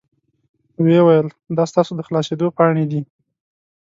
وې ویل دا ستاسو د خلاصیدو پاڼې دي.